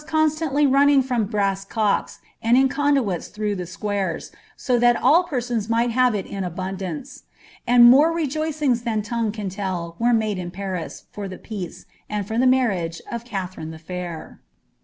101 eonstantly ranning from brtss cocks and in conduits through the squares, ■o that ali persons might have it in abundance; and more rejoicings tKan Umirue can tell were made in Paris, for the peace, and for the marriage of Katherine the Fair.